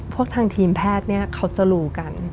พวกทางทีมแพทย์เขาจะรู้กัน